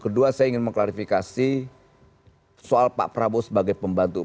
kedua saya ingin mengklarifikasi soal pak prabowo sebagai pembantu